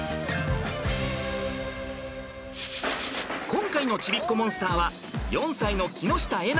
今回のちびっこモンスターは４歳の木下笑